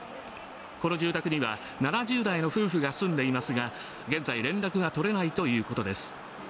この住宅には７０代の夫婦が住んでいますが現在、連絡が取れないということです。